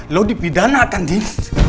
lo dipidanakan din